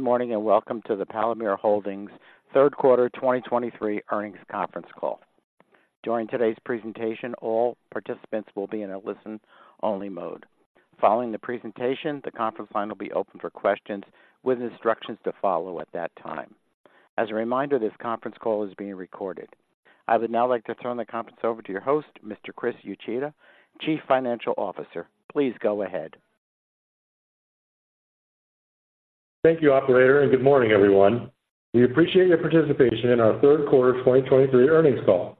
Good morning, and welcome to the Palomar Holdings third quarter 2023 earnings conference call. During today's presentation, all participants will be in a listen-only mode. Following the presentation, the conference line will be open for questions, with instructions to follow at that time. As a reminder, this conference call is being recorded. I would now like to turn the conference over to your host, Mr. Chris Uchida, Chief Financial Officer. Please go ahead. Thank you, operator, and good morning, everyone. We appreciate your participation in our third quarter of 2023 earnings call.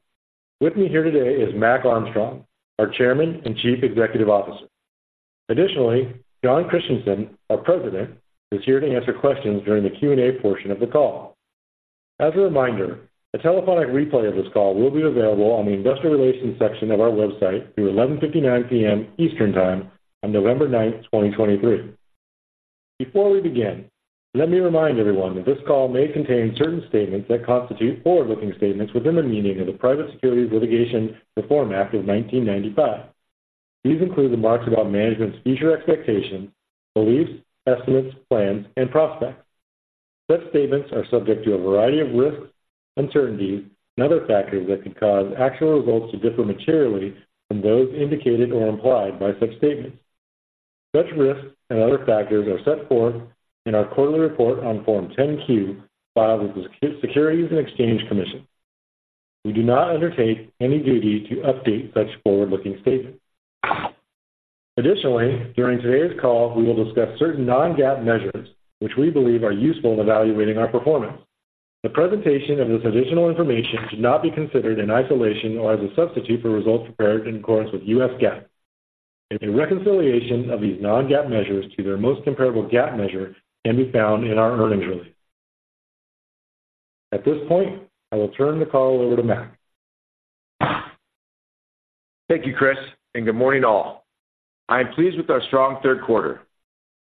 With me here today is Mac Armstrong, our Chairman and Chief Executive Officer. Additionally, Jon Christianson, our President, is here to answer questions during the Q&A portion of the call. As a reminder, a telephonic replay of this call will be available on the Investor Relations section of our website through 11:59 P.M. Eastern Time on November 9, 2023. Before we begin, let me remind everyone that this call may contain certain statements that constitute forward-looking statements within the meaning of the Private Securities Litigation Reform Act of 1995. These include remarks about management's future expectations, beliefs, estimates, plans, and prospects. Such statements are subject to a variety of risks, uncertainties, and other factors that could cause actual results to differ materially from those indicated or implied by such statements. Such risks and other factors are set forth in our quarterly report on Form 10-Q, filed with the Securities and Exchange Commission. We do not undertake any duty to update such forward-looking statements. Additionally, during today's call, we will discuss certain non-GAAP measures, which we believe are useful in evaluating our performance. The presentation of this additional information should not be considered in isolation or as a substitute for results prepared in accordance with U.S. GAAP. A reconciliation of these non-GAAP measures to their most comparable GAAP measure can be found in our earnings release. At this point, I will turn the call over to Mac. Thank you, Chris, and good morning, all. I am pleased with our strong third quarter.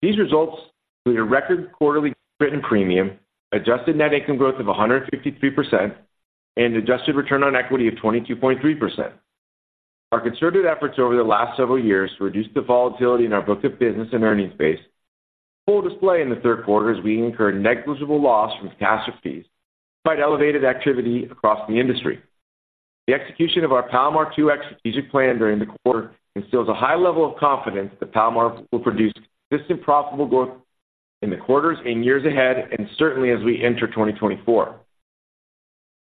These results include a record quarterly written premium, adjusted net income growth of 153%, and adjusted return on equity of 22.3%. Our concerted efforts over the last several years to reduce the volatility in our book of business and earnings base, full display in the third quarter as we incurred negligible loss from catastrophe, despite elevated activity across the industry. The execution of our Palomar 2X strategic plan during the quarter instills a high level of confidence that Palomar will produce consistent profitable growth in the quarters and years ahead, and certainly as we enter 2024.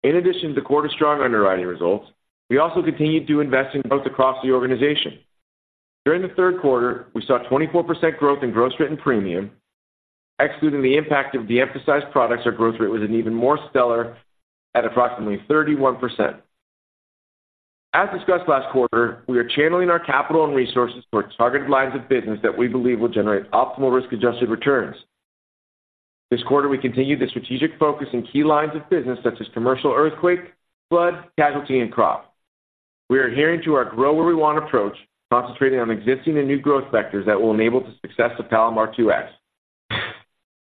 In addition to quarter strong underwriting results, we also continued to invest in growth across the organization. During the third quarter, we saw 24% growth in gross written premium. Excluding the impact of the emphasized products, our growth rate was an even more stellar at approximately 31%. As discussed last quarter, we are channeling our capital and resources towards targeted lines of business that we believe will generate optimal risk-adjusted returns. This quarter, we continued the strategic focus in key lines of business such as commercial earthquake, flood, casualty, and crop. We are adhering to our grow-where-we-want approach, concentrating on existing and new growth vectors that will enable the success of Palomar 2X.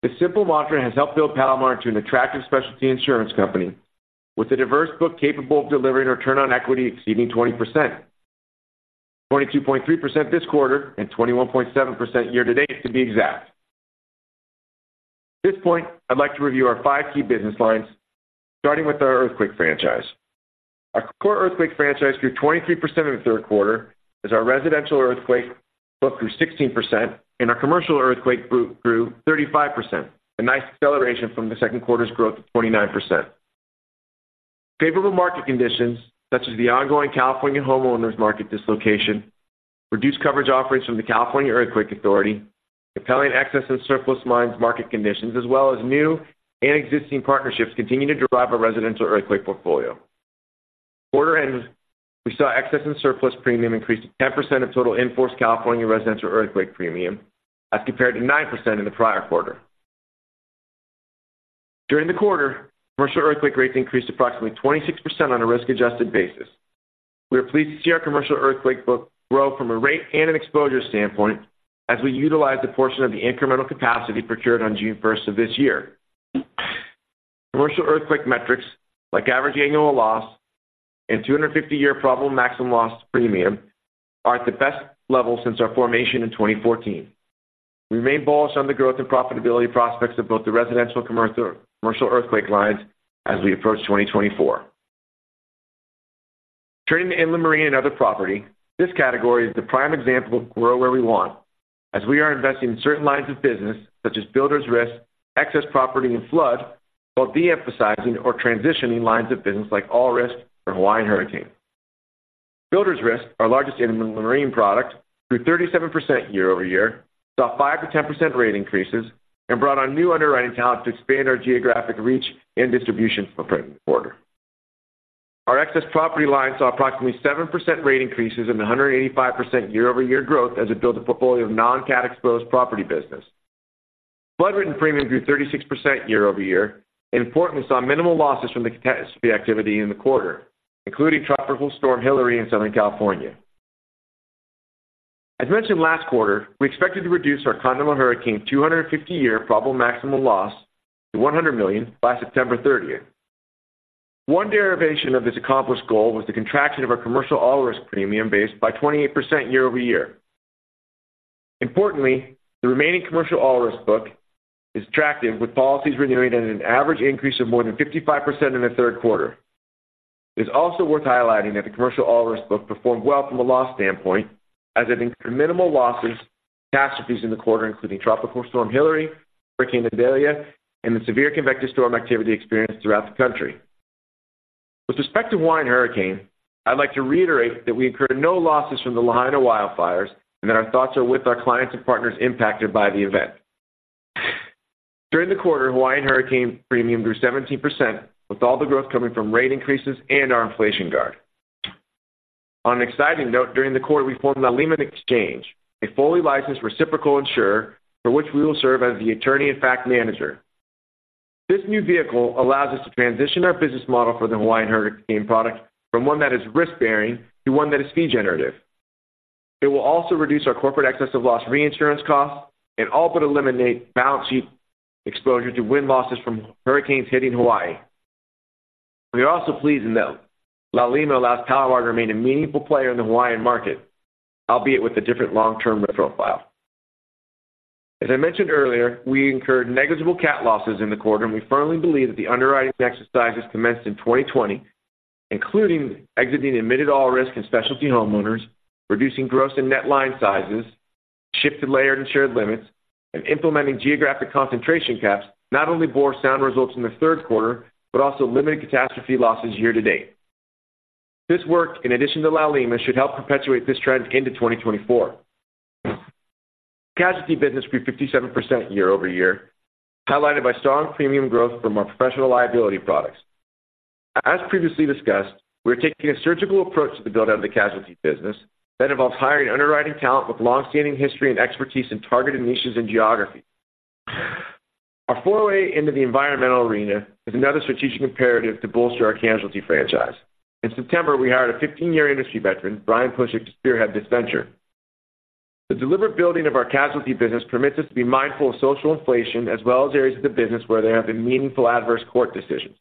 This simple mantra has helped build Palomar to an attractive specialty insurance company with a diverse book capable of delivering return on equity exceeding 20%. 22.3% this quarter and 21.7% year-to-date, to be exact. At this point, I'd like to review our 5 key business lines, starting with our earthquake franchise. Our core earthquake franchise grew 23% in the third quarter, as our residential earthquake book grew 16% and our commercial earthquake book grew 35%, a nice acceleration from the second quarter's growth of 29%. Favorable market conditions, such as the ongoing California homeowners market dislocation, reduced coverage offerings from the California Earthquake Authority, compelling excess and surplus lines market conditions, as well as new and existing partnerships, continue to drive our residential earthquake portfolio. Quarter end, we saw excess and surplus premium increase to 10% of total in-force California residential earthquake premium, as compared to 9% in the prior quarter. During the quarter, commercial earthquake rates increased approximately 26% on a risk-adjusted basis. We are pleased to see our commercial earthquake book grow from a rate and an exposure standpoint as we utilize a portion of the incremental capacity procured on June 1 of this year. Commercial earthquake metrics, like average annual loss and 250-year probable maximum loss premium, are at the best level since our formation in 2014. We remain bullish on the growth and profitability prospects of both the residential commercial, commercial earthquake lines as we approach 2024. Turning to inland marine and other property, this category is the prime example of grow where we want, as we are investing in certain lines of business, such as builders risk, excess property and flood, while de-emphasizing or transitioning lines of business like all risk or Hawaiian hurricane. Builders risk, our largest inland marine product, grew 37% year-over-year, saw 5%-10% rate increases, and brought on new underwriting talent to expand our geographic reach and distribution for quarter. Our excess property line saw approximately 7% rate increases and 185% year-over-year growth as it built a portfolio of non-cat exposed property business. Flood written premium grew 36% year-over-year, and importantly, saw minimal losses from the catastrophe activity in the quarter, including Tropical Storm Hilary in Southern California. As mentioned last quarter, we expected to reduce our condo and hurricane 250-year probable maximum loss to $100 million by September 30th.... One derivation of this accomplished goal was the contraction of our commercial all-risk premium base by 28% year-over-year. Importantly, the remaining commercial all-risk book is attractive, with policies renewing at an average increase of more than 55% in the third quarter. It's also worth highlighting that the commercial all-risk book performed well from a loss standpoint, as it incurred minimal losses, catastrophes in the quarter, including Tropical Storm Hilary, Hurricane Idalia, and the severe convective storm activity experienced throughout the country. With respect to Hawaiian Hurricane, I'd like to reiterate that we incurred no losses from the Lahaina wildfires, and that our thoughts are with our clients and partners impacted by the event. During the quarter, Hawaiian Hurricane premium grew 17%, with all the growth coming from rate increases and our Inflation Guard. On an exciting note, during the quarter, we formed the Laulima Exchange, a fully licensed reciprocal insurer, for which we will serve as the attorney-in-fact manager. This new vehicle allows us to transition our business model for the Hawaiian Hurricane product from one that is risk-bearing to one that is fee generative. It will also reduce our corporate excess of loss reinsurance costs and all but eliminate balance sheet exposure to wind losses from hurricanes hitting Hawaii. We are also pleased to note Laulima allows Palomar to remain a meaningful player in the Hawaiian market, albeit with a different long-term profile. As I mentioned earlier, we incurred negligible cat losses in the quarter, and we firmly believe that the underwriting exercises commenced in 2020, including exiting admitted all risks and specialty homeowners, reducing gross and net line sizes, shift to layered insured limits, and implementing geographic concentration caps, not only bore sound results in the third quarter, but also limited catastrophe losses year to date. This work, in addition to Laulima, should help perpetuate this trend into 2024. Casualty business grew 57% year-over-year, highlighted by strong premium growth from our professional liability products. As previously discussed, we are taking a surgical approach to the build-out of the casualty business that involves hiring underwriting talent with long-standing history and expertise in targeted niches and geographies. Our foray into the environmental arena is another strategic imperative to bolster our casualty franchise. In September, we hired a 15-year industry veteran, Brian Pushek, to spearhead this venture. The deliberate building of our casualty business permits us to be mindful of social inflation as well as areas of the business where there have been meaningful adverse court decisions.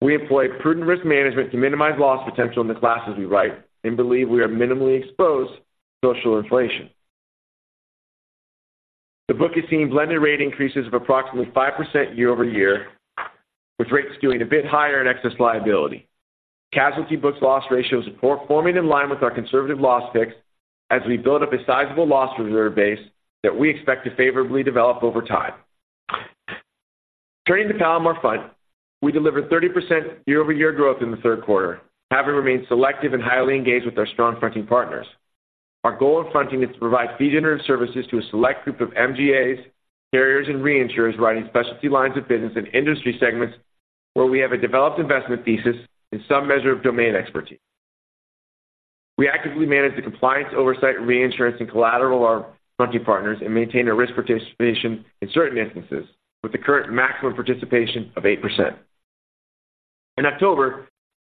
We employ prudent risk management to minimize loss potential in the classes we write and believe we are minimally exposed to social inflation. The book is seeing blended rate increases of approximately 5% year-over-year, with rates doing a bit higher in excess liability. Casualty books loss ratios are performing in line with our conservative loss picks as we build up a sizable loss reserve base that we expect to favorably develop over time. Turning to Palomar Front, we delivered 30% year-over-year growth in the third quarter, having remained selective and highly engaged with our strong fronting partners. Our goal in fronting is to provide fee-generative services to a select group of MGAs, carriers, and reinsurers, writing specialty lines of business and industry segments where we have a developed investment thesis and some measure of domain expertise. We actively manage the compliance, oversight, reinsurance, and collateral our fronting partners, and maintain a risk participation in certain instances, with the current maximum participation of 8%. In October,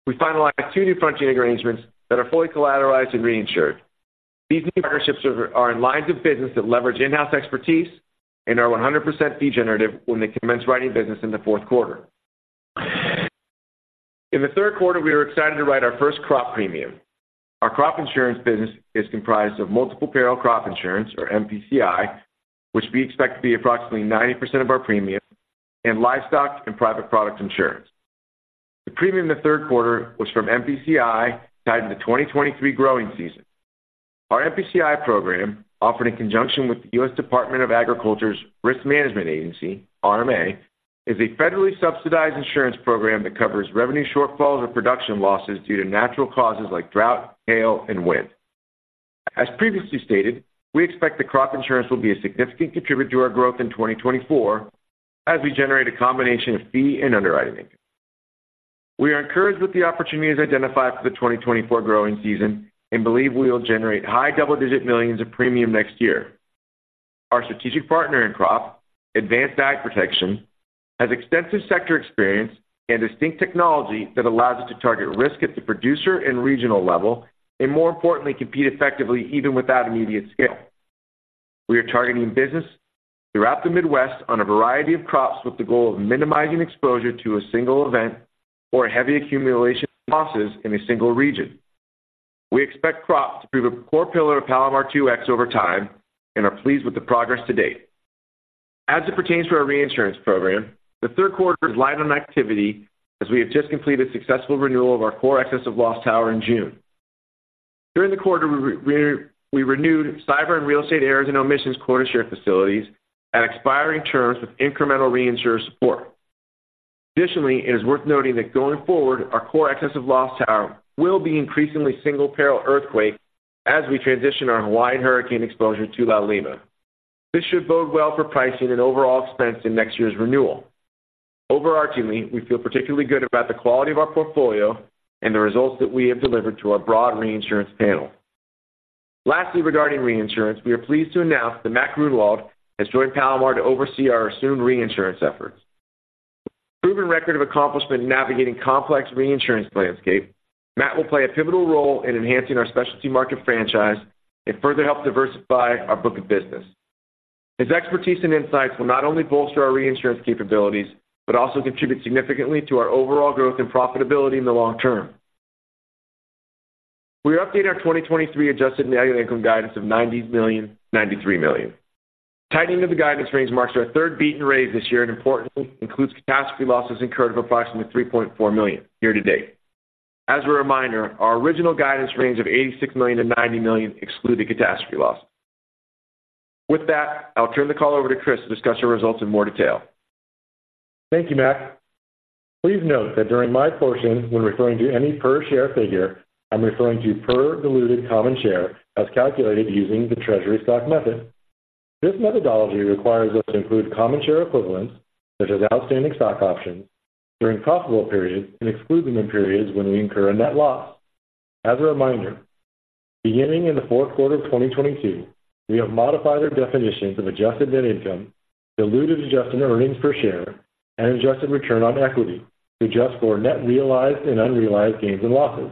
we finalized two new fronting arrangements that are fully collateralized and reinsured. These new partnerships are in lines of business that leverage in-house expertise and are 100% fee generative when they commence writing business in the fourth quarter. In the third quarter, we are excited to write our first crop premium. Our crop insurance business is comprised of Multiple Peril Crop Insurance, or MPCI, which we expect to be approximately 90% of our premium, and livestock and private product insurance. The premium in the third quarter was from MPCI, tied to the 2023 growing season. Our MPCI program, offered in conjunction with the U.S. Department of Agriculture's Risk Management Agency, RMA, is a federally subsidized insurance program that covers revenue shortfalls or production losses due to natural causes like drought, hail, and wind. As previously stated, we expect the crop insurance will be a significant contributor to our growth in 2024 as we generate a combination of fee and underwriting. We are encouraged with the opportunities identified for the 2024 growing season and believe we will generate $ high double-digit millions of premium next year. Our strategic partner in crop, Advanced AgProtection, has extensive sector experience and distinct technology that allows us to target risk at the producer and regional level, and more importantly, compete effectively even without immediate scale. We are targeting business throughout the Midwest on a variety of crops, with the goal of minimizing exposure to a single event or heavy accumulation of losses in a single region. We expect crop to be the core pillar of Palomar 2X over time and are pleased with the progress to date. As it pertains to our reinsurance program, the third quarter is light on activity as we have just completed successful renewal of our core excess of loss tower in June. During the quarter, we renewed cyber and real estate errors and omissions quota share facilities at expiring terms with incremental reinsurer support. Additionally, it is worth noting that going forward, our core excess of loss tower will be increasingly single peril earthquake as we transition our Hawaiian hurricane exposure to Laulima. This should bode well for pricing and overall expense in next year's renewal. Overarchingly, we feel particularly good about the quality of our portfolio and the results that we have delivered to our broad reinsurance panel. Lastly, regarding reinsurance, we are pleased to announce that Matt Grunewald has joined Palomar to oversee our assumed reinsurance efforts, Proven record of accomplishment in navigating complex reinsurance landscape, Matt will play a pivotal role in enhancing our specialty market franchise and further help diversify our book of business. His expertise and insights will not only bolster our reinsurance capabilities, but also contribute significantly to our overall growth and profitability in the long term. We update our 2023 adjusted net income guidance of $90 million-$93 million. Tightening of the guidance range marks our third beat and raise this year, and importantly, includes catastrophe losses incurred of approximately $3.4 million year to date. As a reminder, our original guidance range of $86 million-$90 million excluded catastrophe loss. With that, I'll turn the call over to Chris to discuss our results in more detail. Thank you, Matt. Please note that during my portion, when referring to any per share figure, I'm referring to per diluted common share as calculated using the treasury stock method. This methodology requires us to include common share equivalents, such as outstanding stock options, during profitable periods and exclude them in periods when we incur a net loss. As a reminder, beginning in the fourth quarter of 2022, we have modified our definitions of adjusted net income, diluted adjusted earnings per share, and adjusted return on equity to adjust for net realized and unrealized gains and losses.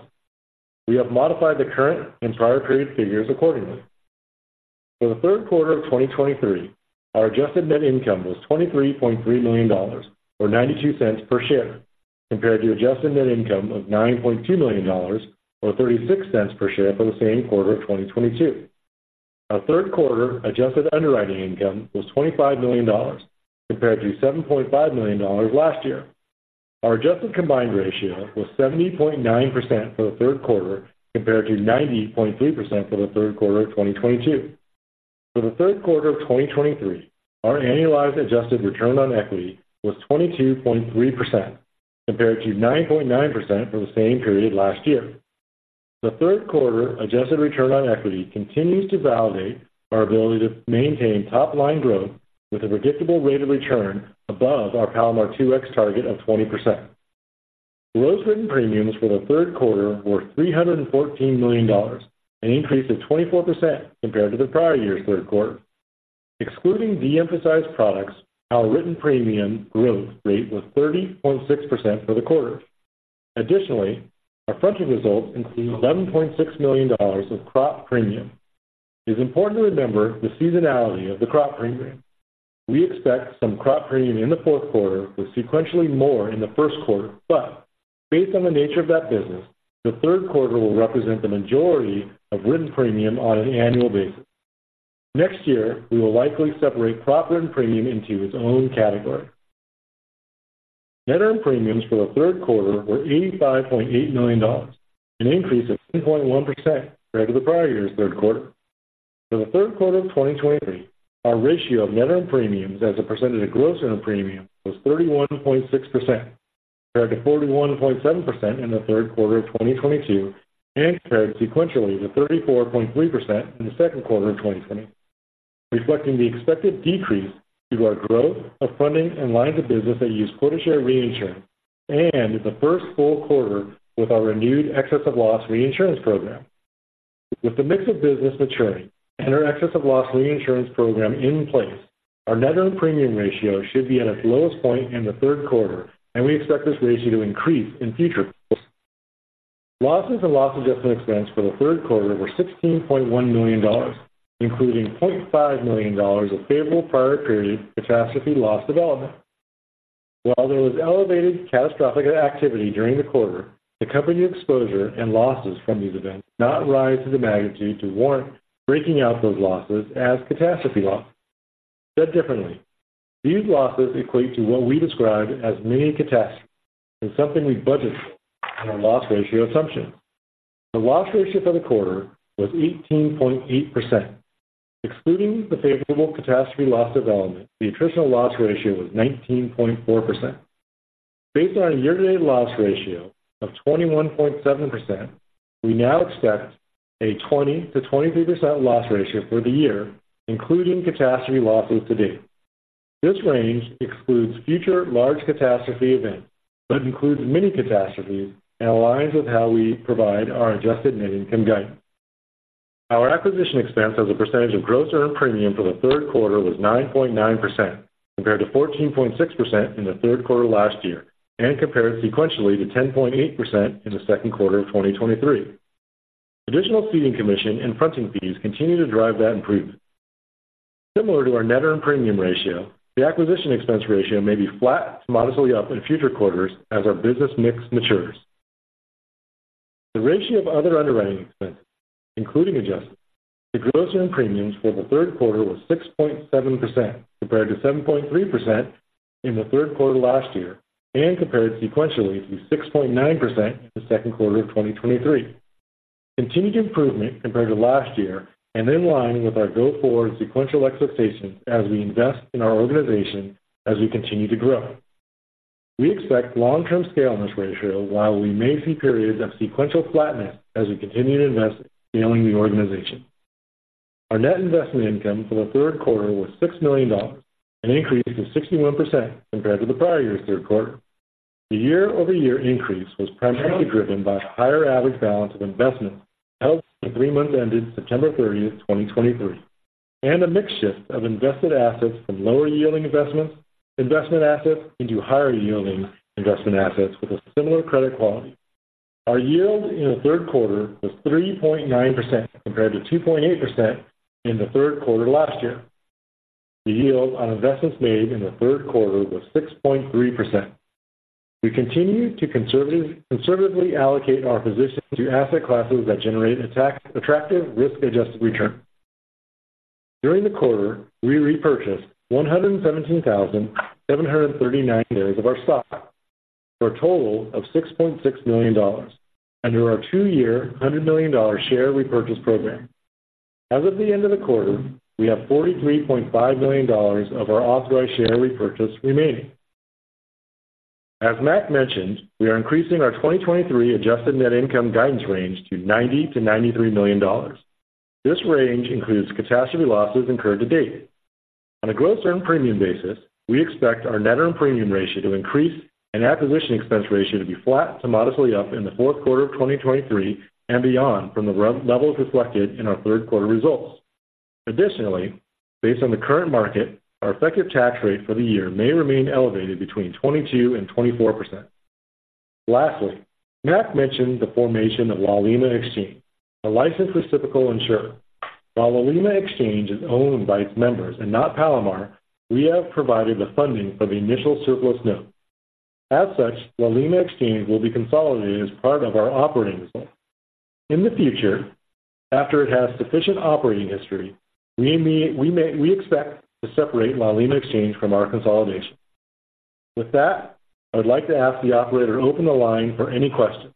We have modified the current and prior period figures accordingly. For the third quarter of 2023, our Adjusted Net Income was $23.3 million, or $0.92 per share, compared to Adjusted Net Income of $9.2 million, or $0.36 per share, for the same quarter of 2022. Our third quarter Adjusted Underwriting Income was $25 million, compared to $7.5 million last year. Our Adjusted Combined Ratio was 70.9% for the third quarter, compared to 90.3% for the third quarter of 2022. For the third quarter of 2023, our annualized Adjusted Return on Equity was 22.3%, compared to 9.9% for the same period last year. The third quarter adjusted return on equity continues to validate our ability to maintain top-line growth with a predictable rate of return above our Palomar 2X target of 20%. Gross written premiums for the third quarter were $314 million, an increase of 24% compared to the prior year's third quarter. Excluding de-emphasized products, our written premium growth rate was 30.6% for the quarter. Additionally, our fronting results include $11.6 million of crop premium. It's important to remember the seasonality of the crop premium. We expect some crop premium in the fourth quarter, with sequentially more in the first quarter, but based on the nature of that business, the third quarter will represent the majority of written premium on an annual basis. Next year, we will likely separate crop written premium into its own category. Net earned premiums for the third quarter were $85.8 million, an increase of 2.1% compared to the prior year's third quarter. For the third quarter of 2023, our ratio of net earned premiums as a percentage of gross earned premium was 31.6%, compared to 41.7% in the third quarter of 2022, and compared sequentially to 34.3% in the second quarter of 2020. Reflecting the expected decrease due to our growth of funding and lines of business that use quota share reinsurance, and is the first full quarter with our renewed excess of loss reinsurance program. With the mix of business maturing and our excess of loss reinsurance program in place, our net earned premium ratio should be at its lowest point in the third quarter, and we expect this ratio to increase in future years. Losses and loss adjustment expense for the third quarter were $16.1 million, including $0.5 million of favorable prior period catastrophe loss development. While there was elevated catastrophic activity during the quarter, the company exposure and losses from these events not rise to the magnitude to warrant breaking out those losses as catastrophe loss. Said differently, these losses equate to what we describe as mini catastrophes and something we budget for in our loss ratio assumption. The loss ratio for the quarter was 18.8%. Excluding the favorable catastrophe loss development, the additional loss ratio was 19.4%. Based on our year-to-date loss ratio of 21.7%, we now expect a 20%-23% loss ratio for the year, including catastrophe losses to date. This range excludes future large catastrophe events, but includes mini catastrophes and aligns with how we provide our adjusted net income guidance. Our acquisition expense as a percentage of gross earned premium for the third quarter was 9.9%, compared to 14.6% in the third quarter last year, and compared sequentially to 10.8% in the second quarter of 2023. Additional ceding commission and fronting fees continue to drive that improvement. Similar to our net earned premium ratio, the acquisition expense ratio may be flat to modestly up in future quarters as our business mix matures. The ratio of other underwriting expenses, including adjustments to gross earned premiums for the third quarter was 6.7%, compared to 7.3% in the third quarter last year, and compared sequentially to 6.9% in the second quarter of 2023. Continued improvement compared to last year and in line with our go-forward sequential expectations as we invest in our organization as we continue to grow. We expect long-term scale in this ratio, while we may see periods of sequential flatness as we continue to invest in scaling the organization. Our net investment income for the third quarter was $6 million, an increase of 61% compared to the prior year's third quarter. The year-over-year increase was primarily driven by a higher average balance of investments held in the three months ended September 30, 2023, and a mix shift of invested assets from lower-yielding investments, investment assets into higher-yielding investment assets with a similar credit quality. Our yield in the third quarter was 3.9%, compared to 2.8% in the third quarter last year. The yield on investments made in the third quarter was 6.3%. We continue to conservatively allocate our positions to asset classes that generate attractive risk-adjusted return. During the quarter, we repurchased 117,739 shares of our stock for a total of $6.6 million under our two-year, $100 million share repurchase program. As of the end of the quarter, we have $43.5 million of our authorized share repurchase remaining. As Mac mentioned, we are increasing our 2023 adjusted net income guidance range to $90 million-$93 million. This range includes catastrophe losses incurred to date. On a gross earned premium basis, we expect our net earned premium ratio to increase and acquisition expense ratio to be flat to modestly up in the fourth quarter of 2023 and beyond from the rev- levels reflected in our third quarter results. Additionally, based on the current market, our effective tax rate for the year may remain elevated between 22% and 24%. Lastly, Mac mentioned the formation of Laulima Exchange, a licensed reciprocal insurer. While Laulima Exchange is owned by its members and not Palomar, we have provided the funding for the initial surplus note. As such, Laulima Exchange will be consolidated as part of our operating results. In the future, after it has sufficient operating history, we expect to separate Laulima Exchange from our consolidation. With that, I would like to ask the operator to open the line for any questions.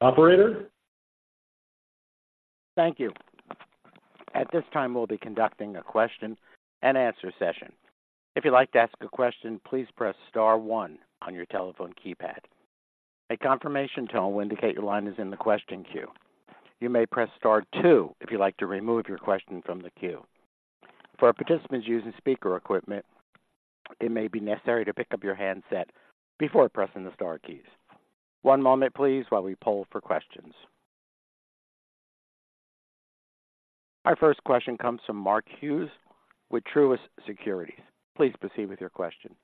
Operator? Thank you. At this time, we'll be conducting a question-and-answer session. If you'd like to ask a question, please press star one on your telephone keypad. A confirmation tone will indicate your line is in the question queue. You may press star two if you'd like to remove your question from the queue. For our participants using speaker equipment, it may be necessary to pick up your handset before pressing the star keys. One moment please, while we poll for questions. Our first question comes from Mark Hughes with Truist Securities. Please proceed with your question.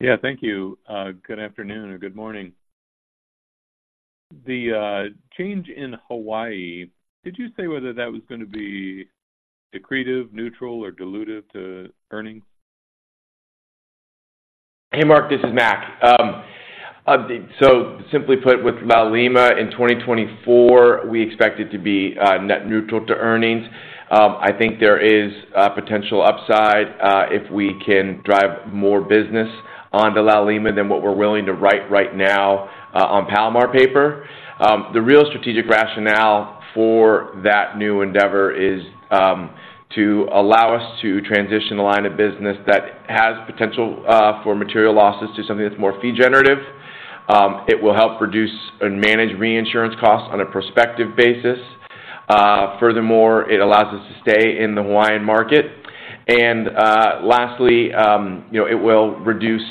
Yeah, thank you. Good afternoon or good morning. The change in Hawaii, did you say whether that was going to be accretive, neutral, or dilutive to earnings? Hey, Mark, this is Mac. So simply put, with Laulima in 2024, we expect it to be net neutral to earnings. I think there is a potential upside if we can drive more business on to Laulima than what we're willing to write right now on Palomar paper. The real strategic rationale for that new endeavor is to allow us to transition a line of business that has potential for material losses to something that's more fee generative. It will help reduce and manage reinsurance costs on a prospective basis. Furthermore, it allows us to stay in the Hawaiian market. And lastly, you know, it will reduce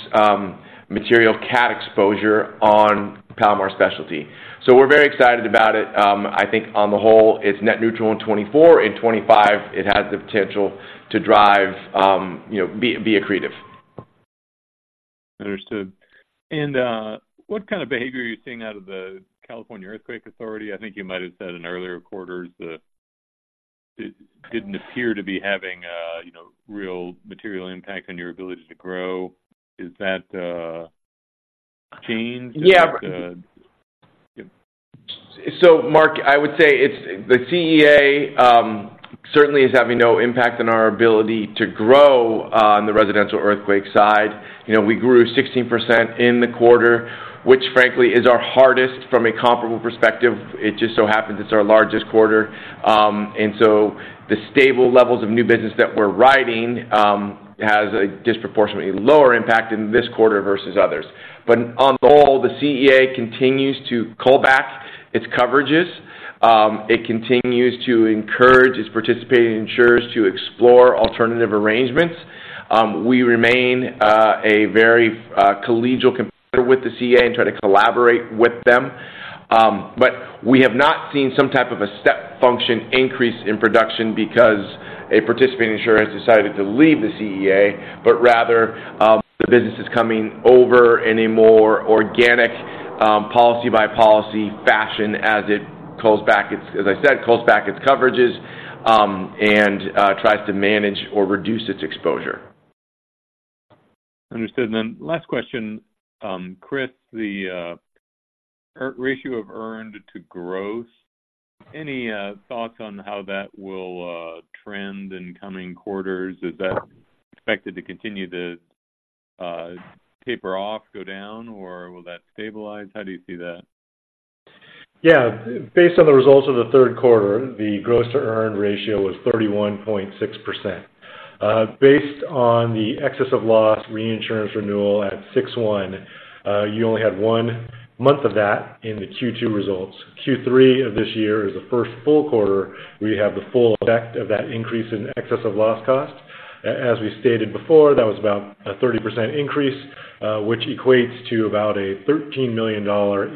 material cat exposure on Palomar Specialty. So we're very excited about it. I think on the whole, it's net neutral in 2024. In 2025, it has the potential to drive, you know, be accretive. Understood. What kind of behavior are you seeing out of the California Earthquake Authority? I think you might have said in earlier quarters that it didn't appear to be having a, you know, real material impact on your ability to grow. Is that changed? Yeah. Uh- So Mark, I would say it's The CEA certainly is having no impact on our ability to grow on the residential earthquake side. You know, we grew 16% in the quarter, which frankly, is our hardest from a comparable perspective. It just so happens it's our largest quarter. And so the stable levels of new business that we're writing has a disproportionately lower impact in this quarter versus others. But on the whole, the CEA continues to call back its coverages. It continues to encourage its participating insurers to explore alternative arrangements. We remain a very collegial competitor with the CEA and try to collaborate with them. But we have not seen some type of a step function increase in production because a participating insurer has decided to leave the CEA, but rather, the business is coming over in a more organic, policy-by-policy fashion as it calls back its, as I said, calls back its coverages, and tries to manage or reduce its exposure. Understood. Then last question. Chris, the ratio of earned to gross, any thoughts on how that will trend in coming quarters? Is that expected to continue to taper off, go down, or will that stabilize? How do you see that? Yeah. Based on the results of the third quarter, the gross to earned ratio was 31.6%. Based on the excess of loss reinsurance renewal at 6/1, you only had one month of that in the Q2 results. Q3 of this year is the first full quarter we have the full effect of that increase in excess of loss cost. As we stated before, that was about a 30% increase, which equates to about a $13 million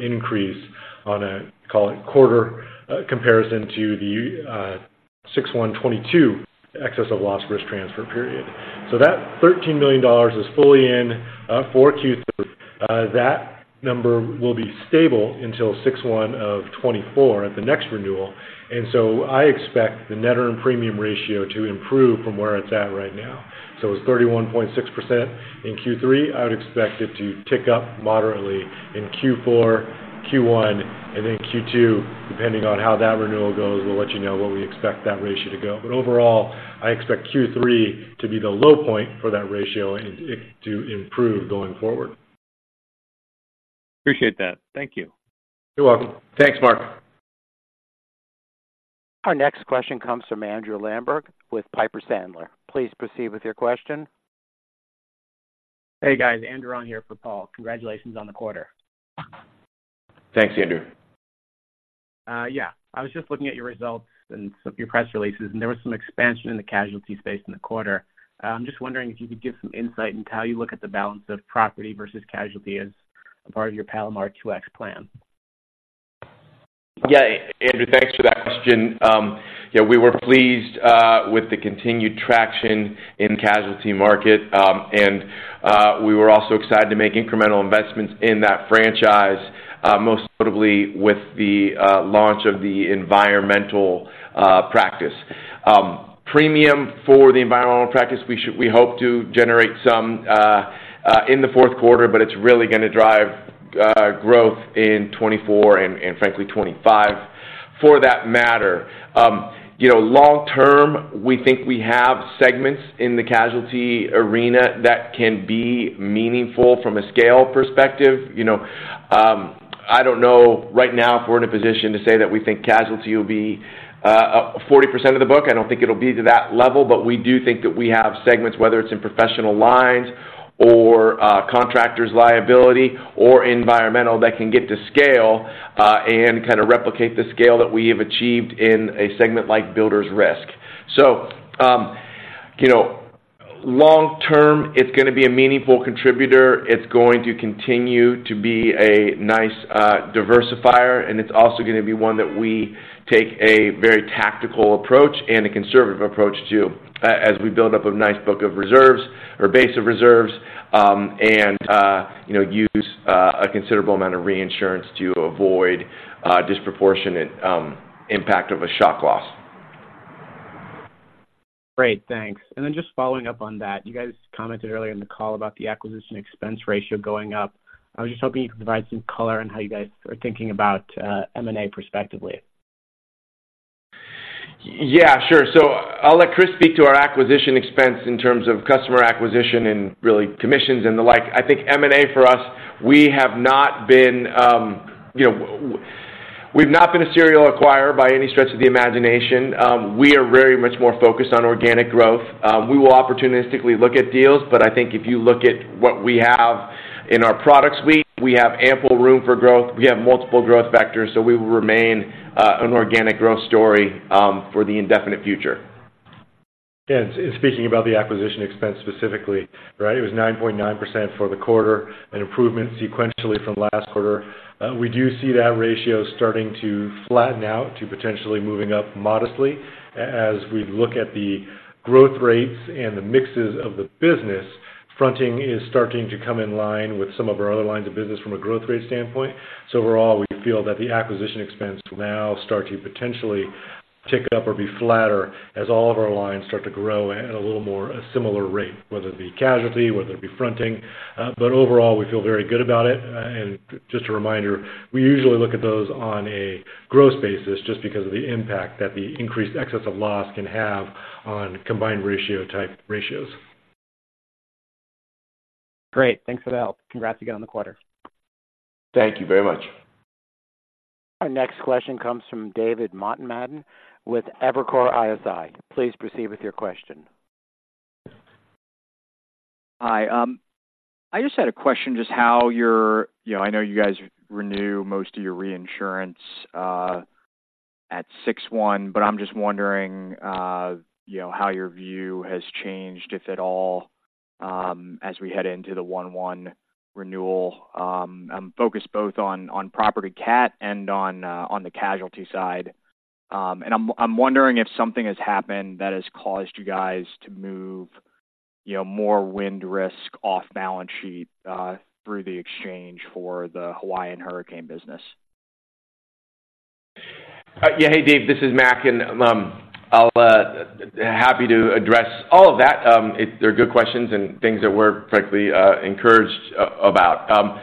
increase on a, call it, quarter, comparison to the,... 6/1/2022 excess of loss risk transfer period. So that $13 million is fully in, for Q3. That number will be stable until 6/1/2024 at the next renewal. And so I expect the net earned premium ratio to improve from where it's at right now. So it was 31.6% in Q3. I would expect it to tick up moderately in Q4, Q1, and then Q2, depending on how that renewal goes, we'll let you know where we expect that ratio to go. But overall, I expect Q3 to be the low point for that ratio and it to improve going forward. Appreciate that. Thank you. You're welcome. Thanks, Mark. Our next question comes from Andrew Lampert with Piper Sandler. Please proceed with your question. Hey, guys. Andrew on here for Paul. Congratulations on the quarter. Thanks, Andrew. Yeah. I was just looking at your results and some of your press releases, and there was some expansion in the casualty space in the quarter. I'm just wondering if you could give some insight into how you look at the balance of property versus casualty as a part of your Palomar 2X plan? Yeah, Andrew, thanks for that question. Yeah, we were pleased with the continued traction in the casualty market, and we were also excited to make incremental investments in that franchise, most notably with the launch of the environmental practice. Premium for the environmental practice, we hope to generate some in the fourth quarter, but it's really gonna drive growth in 2024 and, frankly, 2025, for that matter. You know, long term, we think we have segments in the casualty arena that can be meaningful from a scale perspective, you know? I don't know right now if we're in a position to say that we think casualty will be 40% of the book. I don't think it'll be to that level, but we do think that we have segments, whether it's in professional lines or contractors liability or environmental, that can get to scale and kind of replicate the scale that we have achieved in a segment like builders risk. So you know, long term, it's gonna be a meaningful contributor. It's going to continue to be a nice diversifier, and it's also gonna be one that we take a very tactical approach and a conservative approach to as we build up a nice book of reserves or base of reserves, and you know, use a considerable amount of reinsurance to avoid disproportionate impact of a shock loss. Great, thanks. And then just following up on that, you guys commented earlier in the call about the acquisition expense ratio going up. I was just hoping you could provide some color on how you guys are thinking about M&A prospectively. Yeah, sure. So I'll let Chris speak to our acquisition expense in terms of customer acquisition and really commissions and the like. I think M&A for us, we have not been, you know... We've not been a serial acquirer by any stretch of the imagination. We are very much more focused on organic growth. We will opportunistically look at deals, but I think if you look at what we have in our product suite, we have ample room for growth. We have multiple growth vectors, so we will remain an organic growth story for the indefinite future. Yeah, and speaking about the acquisition expense specifically, right, it was 9.9% for the quarter, an improvement sequentially from last quarter. We do see that ratio starting to flatten out to potentially moving up modestly. As we look at the growth rates and the mixes of the business, fronting is starting to come in line with some of our other lines of business from a growth rate standpoint. So overall, we feel that the acquisition expense will now start to potentially tick up or be flatter as all of our lines start to grow at a little more similar rate, whether it be casualty, whether it be fronting. But overall, we feel very good about it. And just a reminder, we usually look at those on a gross basis just because of the impact that the increased excess of loss can have on combined ratio type ratios. Great. Thanks for the help. Congrats again on the quarter. Thank you very much. Our next question comes from David Motemaden with Evercore ISI. Please proceed with your question. Hi. I just had a question, just how your... You know, I know you guys renew most of your reinsurance at 6/1, but I'm just wondering, you know, how your view has changed, if at all, as we head into the 1/1 renewal. I'm focused both on property cat and on the casualty side. And I'm wondering if something has happened that has caused you guys to move, you know, more wind risk off balance sheet through the exchange for the Hawaiian hurricane business. Yeah. Hey, Dave, this is Mac, and, I'll happy to address all of that. They're good questions and things that we're frankly, encouraged about.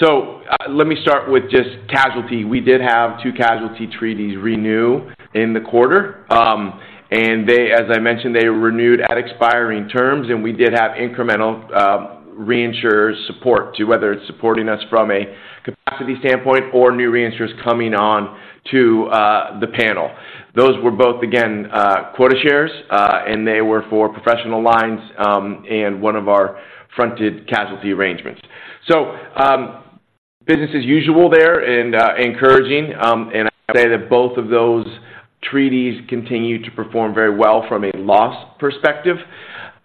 So, let me start with just casualty. We did have two casualty treaties renew in the quarter. And they, as I mentioned, they renewed at expiring terms, and we did have incremental, reinsurers support to whether it's supporting us from a capacity standpoint or new reinsurers coming on to, the panel. Those were both, again, quota shares, and they were for professional lines, and one of our fronted casualty arrangements. So, business as usual there and, encouraging, and I'd say that both of those treaties continue to perform very well from a loss perspective,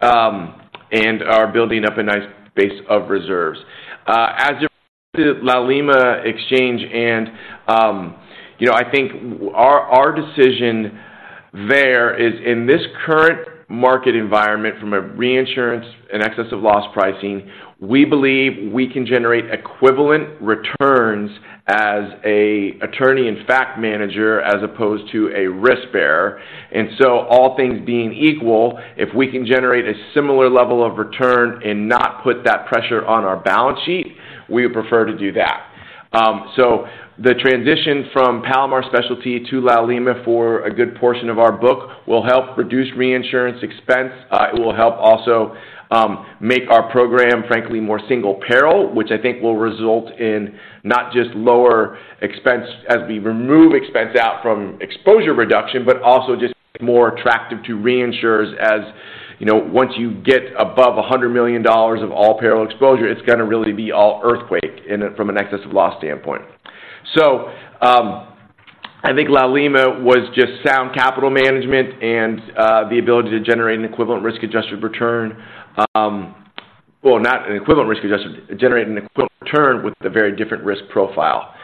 and are building up a nice base of reserves. As it--... Laulima Exchange. And, you know, I think our decision there is, in this current market environment from a reinsurance and excess of loss pricing, we believe we can generate equivalent returns as an attorney-in-fact manager as opposed to a risk bearer. And so all things being equal, if we can generate a similar level of return and not put that pressure on our balance sheet, we would prefer to do that. So the transition from Palomar Specialty to Laulima for a good portion of our book will help reduce reinsurance expense. It will help also make our program, frankly, more single peril, which I think will result in not just lower expense as we remove expense out from exposure reduction, but also just more attractive to reinsurers. As you know, once you get above $100 million of all peril exposure, it's going to really be all earthquake from an excess of loss standpoint. So, I think Laulima was just sound capital management and the ability to generate an equivalent risk-adjusted return. Well, not an equivalent risk-adjusted, generate an equivalent return with a very different risk profile.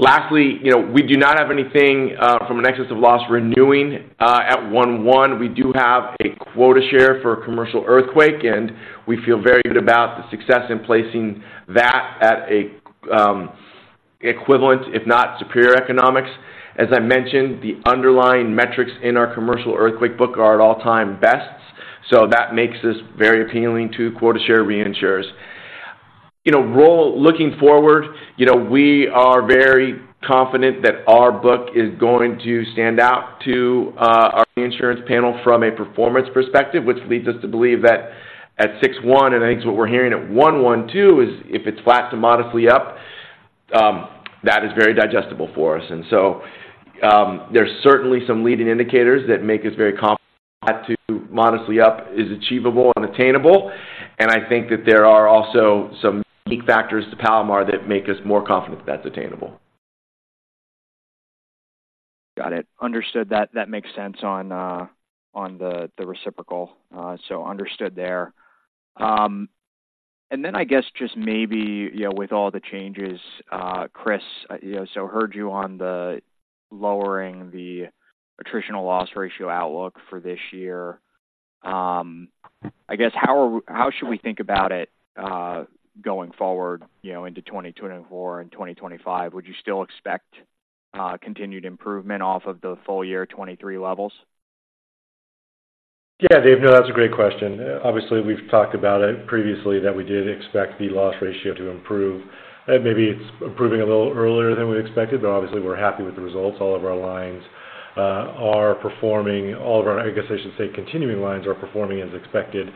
Lastly, you know, we do not have anything from an excess of loss renewing. At 1/1, we do have a quota share for commercial earthquake, and we feel very good about the success in placing that at an equivalent, if not superior economics. As I mentioned, the underlying metrics in our commercial earthquake book are at all-time bests, so that makes us very appealing to quota share reinsurers. You know, looking forward, you know, we are very confident that our book is going to stand out to our reinsurance panel from a performance perspective, which leads us to believe that at 6/1, and I think what we're hearing at 1/1 too, is if it's flat to modestly up, that is very digestible for us. And so, there's certainly some leading indicators that make us very confident that to modestly up is achievable and attainable. And I think that there are also some unique factors to Palomar that make us more confident that's attainable. Got it. Understood. That makes sense on the reciprocal. So understood there. And then I guess just maybe, you know, with all the changes, Chris, you know, so heard you on the lowering the attritional loss ratio outlook for this year. I guess, how should we think about it going forward, you know, into 2024 and 2025? Would you still expect continued improvement off of the full year 2023 levels? Yeah, Dave, no, that's a great question. Obviously, we've talked about it previously, that we did expect the loss ratio to improve. Maybe it's improving a little earlier than we expected, but obviously, we're happy with the results. All of our lines are performing. All of our... I guess I should say, continuing lines are performing as expected.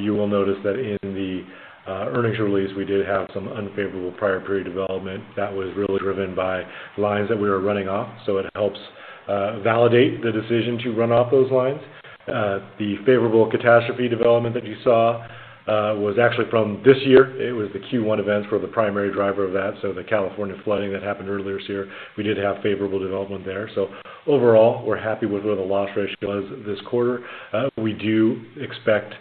You will notice that in the earnings release, we did have some unfavorable prior period development that was really driven by lines that we were running off, so it helps validate the decision to run off those lines. The favorable catastrophe development that you saw was actually from this year. It was the Q1 events were the primary driver of that, so the California flooding that happened earlier this year, we did have favorable development there. So overall, we're happy with where the loss ratio is this quarter. We do expect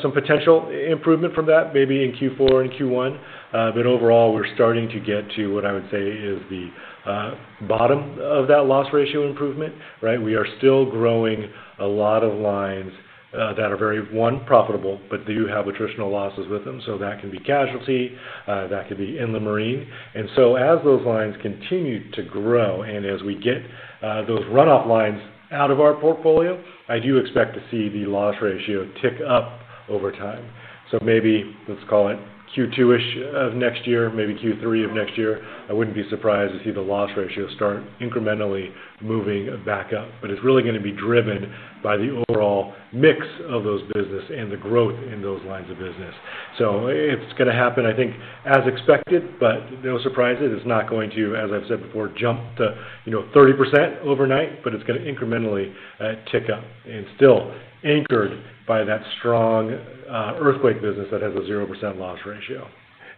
some potential improvement from that, maybe in Q4 and Q1. But overall, we're starting to get to what I would say is the bottom of that loss ratio improvement, right? We are still growing a lot of lines that are very profitable, but do have attritional losses with them. So that can be casualty, that could be in the marine. And so as those lines continue to grow and as we get those run-off lines out of our portfolio, I do expect to see the loss ratio tick up over time. So maybe let's call it Q2-ish of next year, maybe Q3 of next year. I wouldn't be surprised to see the loss ratio start incrementally moving back up, but it's really going to be driven by the overall mix of those business and the growth in those lines of business. So it's going to happen, I think, as expected, but no surprises. It's not going to, as I've said before, jump to, you know, 30% overnight, but it's going to incrementally tick up and still anchored by that strong earthquake business that has a 0% loss ratio.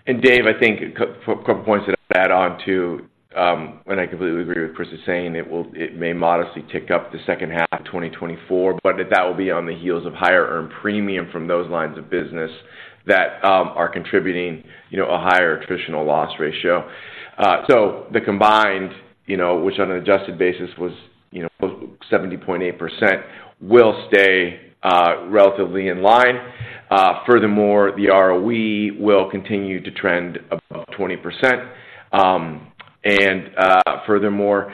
And Dave, I think a couple points to add on to, and I completely agree with what Chris is saying. It may modestly tick up the second half of 2024, but that will be on the heels of higher earned premium from those lines of business that are contributing, you know, a higher attritional loss ratio. So the combined, you know, which on an adjusted basis was, you know, 70.8%, will stay relatively in line. Furthermore, the ROE will continue to trend above 20%. And furthermore,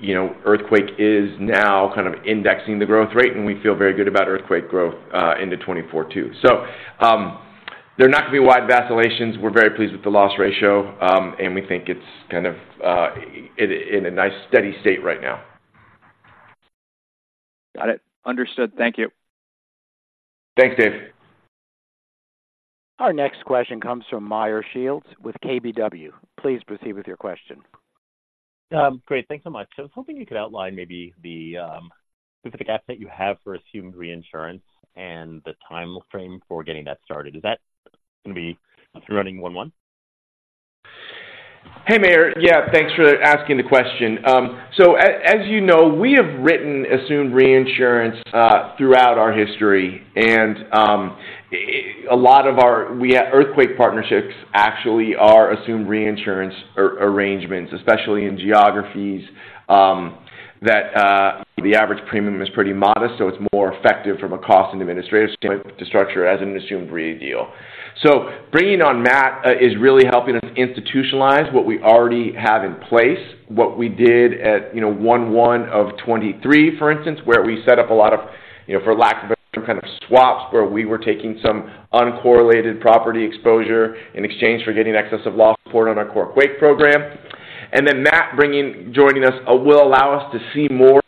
you know, earthquake is now kind of indexing the growth rate, and we feel very good about earthquake growth into 2024 too. So they're not going to be wide vacillations. We're very pleased with the Loss Ratio, and we think it's kind of in a nice, steady state right now. Got it. Understood. Thank you. Thanks, Dave. Our next question comes from Meyer Shields with KBW. Please proceed with your question. Great. Thanks so much. I was hoping you could outline maybe the specific asset you have for assumed reinsurance and the timeframe for getting that started. Is that going to be running 1/1?... Hey, Meyer. Yeah, thanks for asking the question. So as you know, we have written assumed reinsurance throughout our history, and a lot of our earthquake partnerships actually are assumed reinsurance arrangements, especially in geographies that the average premium is pretty modest, so it's more effective from a cost and administrative standpoint to structure as an assumed re deal. So bringing on Matt is really helping us institutionalize what we already have in place. What we did at, you know, Q1 of 2023, for instance, where we set up a lot of, you know, for lack of a better kind of swaps, where we were taking some uncorrelated property exposure in exchange for getting excess of loss support on our core quake program. And then Matt joining us will allow us to see more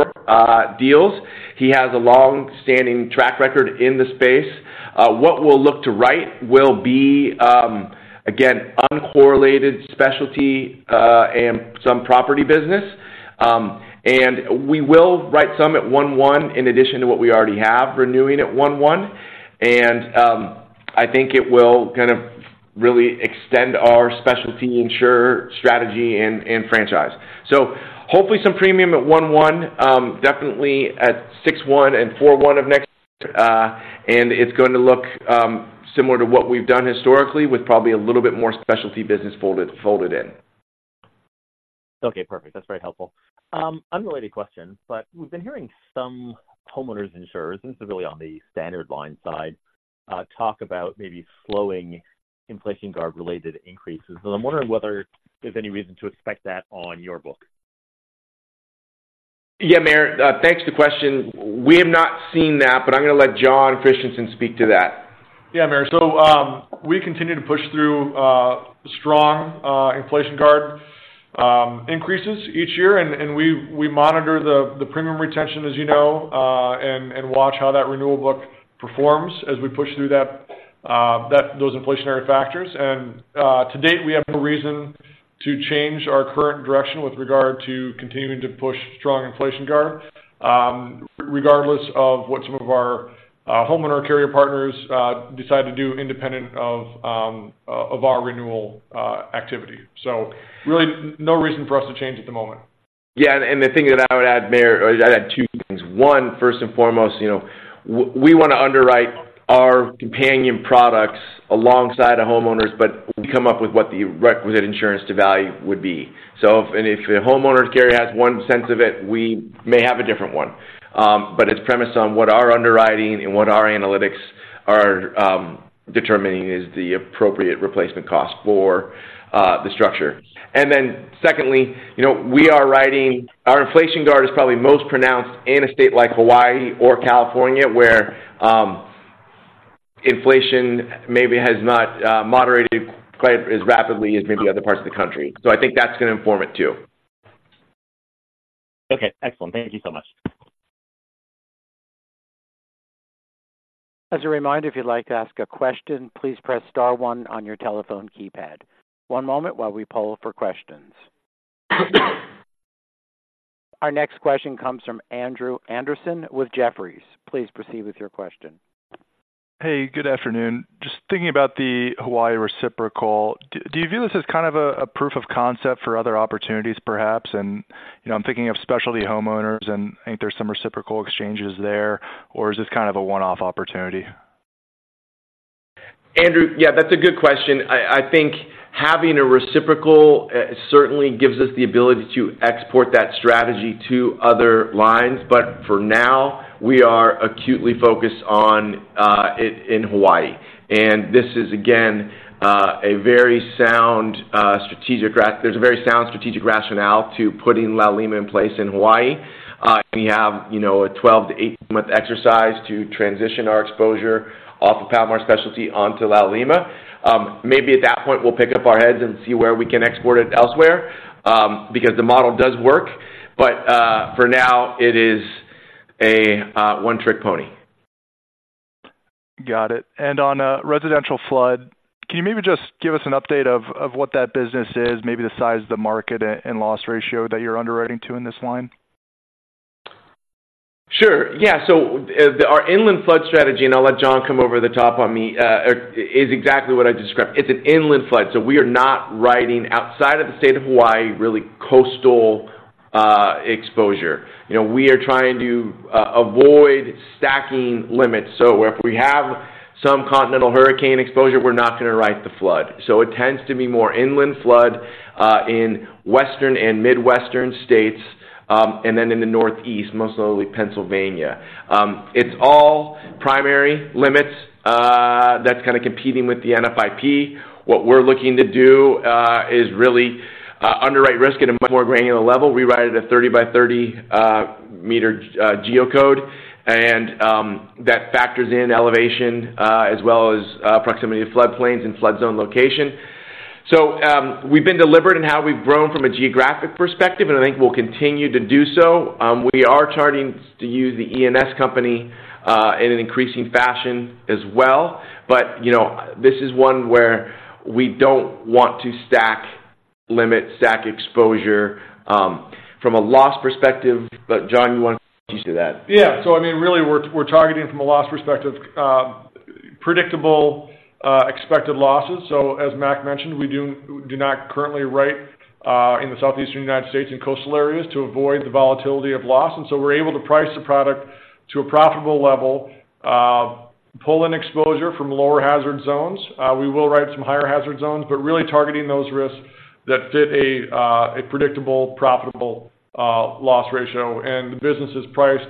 deals. He has a long-standing track record in the space. What we'll look to write will be, again, uncorrelated specialty and some property business. And we will write some at 1:1 in addition to what we already have, renewing at 1:1. And I think it will kind of really extend our specialty insurer strategy and franchise. So hopefully some premium at 1:1, definitely at 6:1 and 4:1 of next year. And it's going to look similar to what we've done historically, with probably a little bit more specialty business folded in. Okay, perfect. That's very helpful. Unrelated question, but we've been hearing some homeowners insurers, and this is really on the standard line side, talk about maybe slowing Inflation Guard-related increases. So I'm wondering whether there's any reason to expect that on your book? Yeah, Meyer, thanks for the question. We have not seen that, but I'm going to let Jon Christianson speak to that. Yeah, Meyer. So, we continue to push through strong Inflation Guard increases each year, and we monitor the premium retention, as you know, and watch how that renewal book performs as we push through those inflationary factors. And to date, we have no reason to change our current direction with regard to continuing to push strong Inflation Guard, regardless of what some of our homeowner carrier partners decide to do independent of our renewal activity. So really no reason for us to change at the moment. Yeah, and the thing that I would add, Meyer, I'd add two things. One, first and foremost, you know, we want to underwrite our companion products alongside the homeowners, but we come up with what the requisite insurance to value would be. So if and if the homeowners carrier has one sense of it, we may have a different one. But it's premised on what our underwriting and what our analytics are determining is the appropriate replacement cost for the structure. And then secondly, you know, we are writing our Inflation Guard is probably most pronounced in a state like Hawaii or California, where inflation maybe has not moderated quite as rapidly as maybe other parts of the country. So I think that's going to inform it, too. Okay, excellent. Thank you so much. As a reminder, if you'd like to ask a question, please press star one on your telephone keypad. One moment while we poll for questions. Our next question comes from Andrew Andersen with Jefferies. Please proceed with your question. Hey, good afternoon. Just thinking about the Hawaii Reciprocal, do you view this as kind of a proof of concept for other opportunities, perhaps? You know, I'm thinking of specialty homeowners, and I think there's some reciprocal exchanges there, or is this kind of a one-off opportunity? Andrew, yeah, that's a good question. I think having a reciprocal certainly gives us the ability to export that strategy to other lines. But for now, we are acutely focused on in Hawaii. And this is, again, a very sound strategic rationale to putting Laulima in place in Hawaii. We have, you know, a 12- to 18-month exercise to transition our exposure off of Palomar Specialty onto Laulima. Maybe at that point, we'll pick up our heads and see where we can export it elsewhere, because the model does work. But for now, it is a one-trick pony. Got it. On residential flood, can you maybe just give us an update of what that business is, maybe the size of the market and loss ratio that you're underwriting to in this line? Sure. Yeah, so, our inland flood strategy, and I'll let Jon come over the top on me, is exactly what I described. It's an inland flood, so we are not riding outside of the state of Hawaii, really coastal exposure. You know, we are trying to avoid stacking limits. So if we have some continental hurricane exposure, we're not going to ride the flood. So it tends to be more inland flood in Western and Midwestern states, and then in the Northeast, most likely Pennsylvania. It's all primary limits, that's kind of competing with the NFIP. What we're looking to do is really underwrite risk at a much more granular level. We ride at a 30 by 30 meter geocode, and that factors in elevation, as well as proximity to floodplains and flood zone location. So, we've been deliberate in how we've grown from a geographic perspective, and I think we'll continue to do so. We are starting to use the E&S company in an increasing fashion as well. But, you know, this is one where we don't want to stack limit, stack exposure, from a loss perspective. But Jon, you want to add to that? Yeah. So I mean, really, we're targeting from a loss perspective predictable expected losses. So as Mac mentioned, we do not currently write in the Southeastern United States and coastal areas to avoid the volatility of loss. And so we're able to price the product to a profitable level, pull in exposure from lower hazard zones. We will write some higher hazard zones, but really targeting those risks that fit a predictable, profitable loss ratio. And the business is priced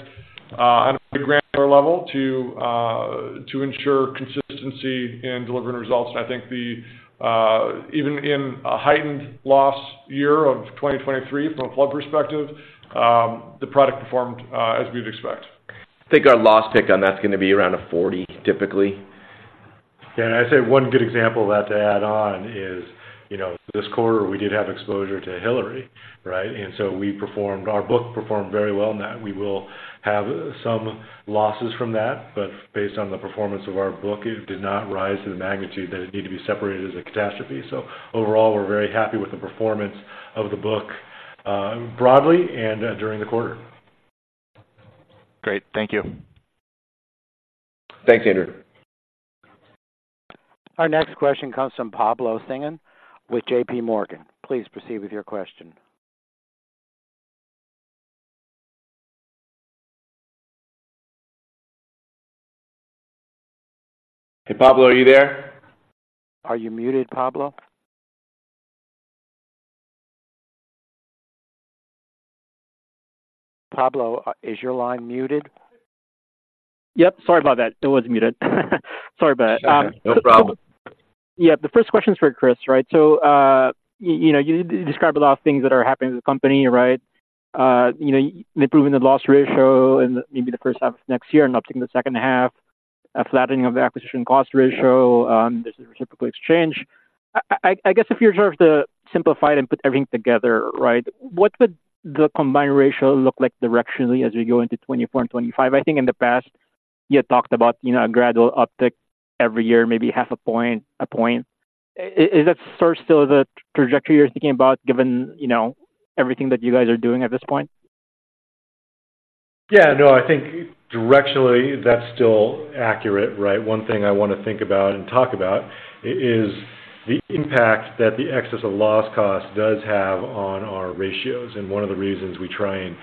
on a granular level to ensure consistency in delivering results. I think the even in a heightened loss year of 2023, from a flood perspective, the product performed as we'd expect. I think our loss ratio that's going to be around 40, typically. Yeah, I'd say one good example of that to add on is, you know, this quarter, we did have exposure to Hilary, right? And so we performed—our book performed very well in that. We will have some losses from that, but based on the performance of our book, it did not rise to the magnitude that it need to be separated as a catastrophe. So overall, we're very happy with the performance of the book, broadly and during the quarter. Great. Thank you. Thanks, Andrew. Our next question comes from Pablo Singzon with JPMorgan. Please proceed with your question. Hey, Pablo, are you there? Are you muted, Pablo? Pablo, is your line muted? Yep, sorry about that. It was muted. Sorry about that. No problem. Yeah, the first question is for Chris, right? So, you know, you describe a lot of things that are happening to the company, right? You know, improving the loss ratio in maybe the first half of next year and upping the second half, a flattening of the acquisition cost ratio, this reciprocal exchange. I guess, if you were to simplify it and put everything together, right, what would the combined ratio look like directionally as we go into 2024 and 2025? I think in the past, you had talked about, you know, a gradual uptick every year, maybe half a point, a point. Is that still the trajectory you're thinking about, given, you know, everything that you guys are doing at this point? Yeah. No, I think directionally, that's still accurate, right? One thing I want to think about and talk about is the impact that the excess of loss cost does have on our ratios, and one of the reasons we try and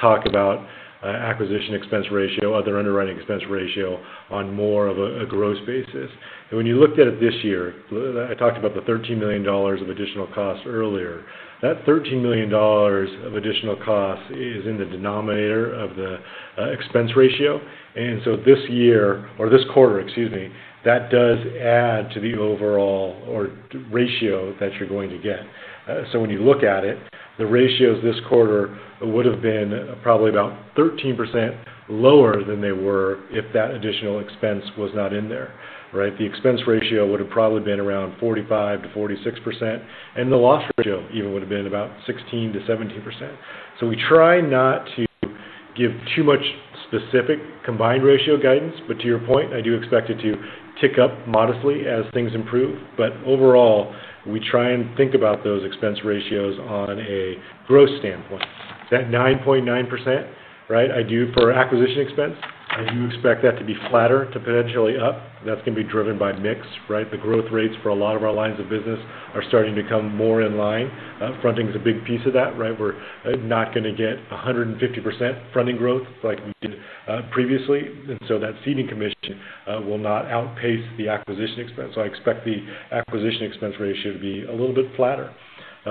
talk about acquisition expense ratio, other underwriting expense ratio on more of a gross basis. When you looked at it this year, I talked about the $13 million of additional costs earlier. That $13 million of additional costs is in the denominator of the expense ratio. So this year, or this quarter, excuse me, that does add to the overall combined ratio that you're going to get. So when you look at it, the ratios this quarter would have been probably about 13% lower than they were if that additional expense was not in there, right? The expense ratio would have probably been around 45-46, and the loss ratio even would have been about 16%-17%. So we try not to give too much specific combined ratio guidance, but to your point, I do expect it to tick up modestly as things improve. But overall, we try and think about those expense ratios on a growth standpoint. That 9.9%, right? I do for acquisition expense. I do expect that to be flatter to potentially up. That's going to be driven by mix, right? The growth rates for a lot of our lines of business are starting to come more in line. Fronting is a big piece of that, right? We're not going to get 150% fronting growth like we did previously, and so that ceding commission will not outpace the acquisition expense. So I expect the acquisition expense ratio to be a little bit flatter.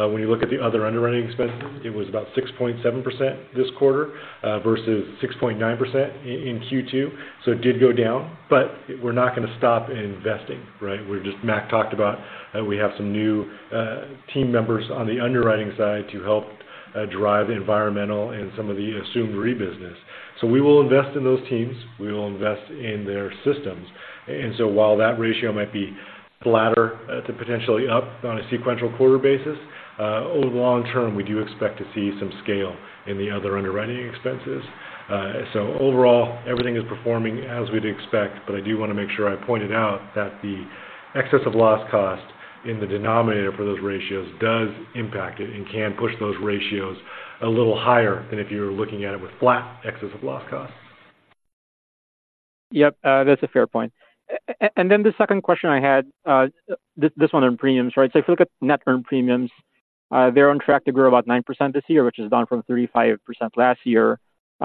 When you look at the other underwriting expenses, it was about 6.7% this quarter versus 6.9% in Q2. So it did go down, but we're not going to stop investing, right? We're just, Mac talked about, we have some new team members on the underwriting side to help drive environmental and some of the assumed re-business. So we will invest in those teams, we will invest in their systems. And so while that ratio might be flatter, to potentially up on a sequential quarter basis, over long term, we do expect to see some scale in the other underwriting expenses. So overall, everything is performing as we'd expect, but I do want to make sure I pointed out that the excess of loss cost in the denominator for those ratios does impact it and can push those ratios a little higher than if you were looking at it with flat excess of loss costs. Yep, that's a fair point. And then the second question I had, this one on premiums, right? So if you look at net earned premiums, they're on track to grow about 9% this year, which is down from 35% last year,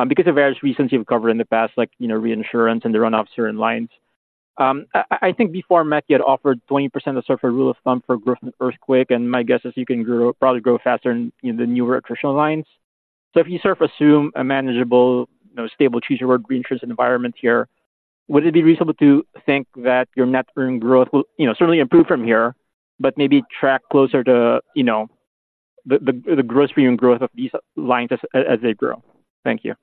because of various reasons you've covered in the past, like, you know, reinsurance and the runoffs here in lines. I think before Mac, you had offered 20% of sort of a rule of thumb for growth in earthquake, and my guess is you can grow, probably grow faster in the newer traditional lines. So if you sort of assume a manageable, you know, stable, choose your word, reinsurance environment here, would it be reasonable to think that your net earn growth will, you know, certainly improve from here, but maybe track closer to, you know, the gross premium growth of these lines as they grow? Thank you.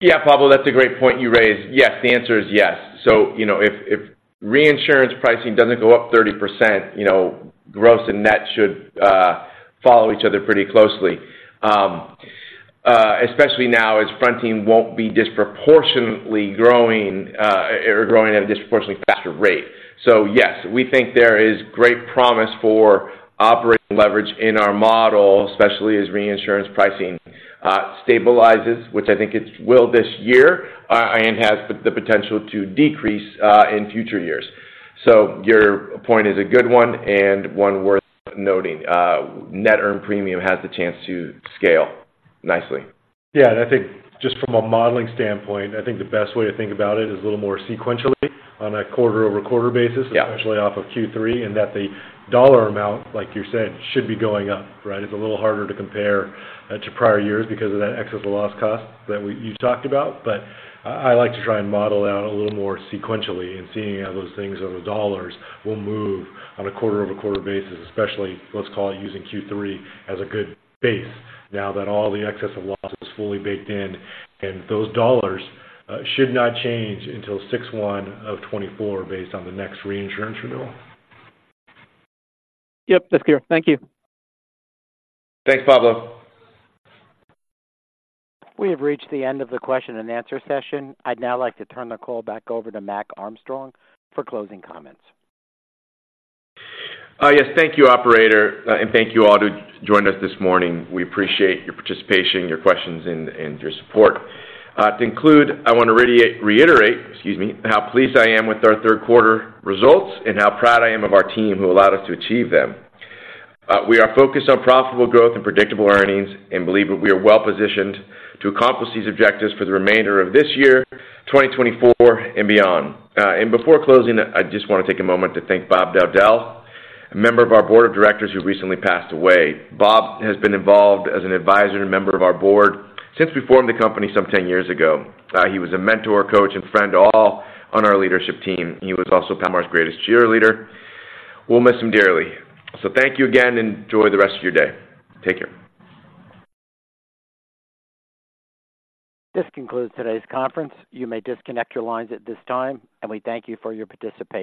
Yeah, Pablo, that's a great point you raised. Yes, the answer is yes. So, you know, if reinsurance pricing doesn't go up 30%, you know, gross and net should follow each other pretty closely. Especially now, as fronting won't be disproportionately growing or growing at a disproportionately faster rate. So yes, we think there is great promise for operating leverage in our model, especially as reinsurance pricing stabilizes, which I think it will this year, and has the potential to decrease in future years. So your point is a good one and one worth noting. Net earned premium has the chance to scale nicely. Yeah, and I think just from a modeling standpoint, I think the best way to think about it is a little more sequentially on a quarter-over-quarter basis- Yeah. especially off of Q3, and that the dollar amount, like you're saying, should be going up, right? It's a little harder to compare to prior years because of that excess of loss cost that we—you've talked about. But I, I like to try and model it out a little more sequentially and seeing how those things or the dollars will move on a quarter-over-quarter basis, especially, let's call it, using Q3 as a good base now that all the excess of loss is fully baked in, and those dollars should not change until June 1, 2024, based on the next reinsurance renewal. Yep, that's clear. Thank you. Thanks, Pablo. We have reached the end of the question and answer session. I'd now like to turn the call back over to Mac Armstrong for closing comments. Yes, thank you, operator, and thank you all who joined us this morning. We appreciate your participation, your questions, and your support. To conclude, I want to reiterate, excuse me, how pleased I am with our third quarter results and how proud I am of our team who allowed us to achieve them. We are focused on profitable growth and predictable earnings and believe that we are well-positioned to accomplish these objectives for the remainder of this year, 2024, and beyond. And before closing, I just want to take a moment to thank Bob Dowdell, a member of our board of directors who recently passed away. Bob has been involved as an advisor and member of our board since we formed the company some 10 years ago. He was a mentor, coach, and friend to all on our leadership team. He was also Palomar's greatest cheerleader. We'll miss him dearly. So thank you again, and enjoy the rest of your day. Take care. This concludes today's conference. You may disconnect your lines at this time, and we thank you for your participation.